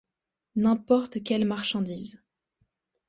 N’importe quelle marchandise.